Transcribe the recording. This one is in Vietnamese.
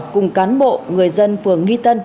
cùng cán bộ người dân phường nghi tân